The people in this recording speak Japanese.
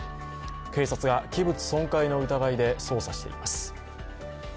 警察が器物損壊の疑いで捜査しています。